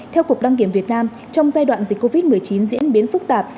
theo cục đăng kiểm việt nam trong giai đoạn dịch covid một mươi chín diễn biến phức tạp